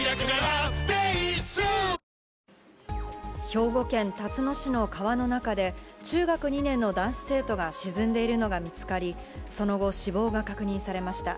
兵庫県たつの市の川の中で、中学２年の男子生徒が沈んでいるのが見つかり、その後、死亡が確認されました。